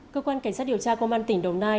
cơ quan cảnh sát điều tra công an tỉnh đồng nai